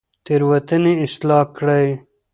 تېروتنې اصلاح کړئ.